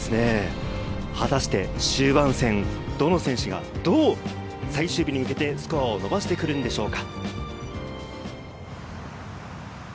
果たして終盤戦、どの選手がどう最終日に向けてスコアを伸ばしてくるんでしょうか。